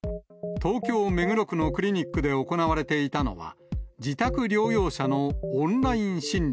東京・目黒区のクリニックで行われていたのは、自宅療養者のオンライン診療。